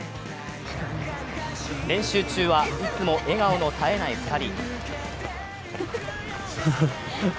練習中は、いつも笑顔の絶えない２人。